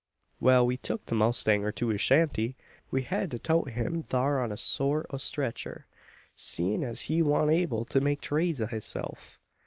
"Wal, we tuk the mowstanger to his shanty. We hed to toat him thar on a sort o' streetcher; seein' as he wan't able to make trades o' hisself.